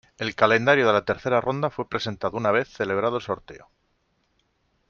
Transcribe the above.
El calendario de la tercera ronda fue presentado una vez celebrado el sorteo.